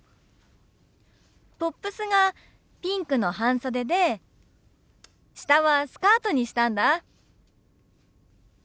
トップスがピンクの半袖で下はスカートにしたんだ。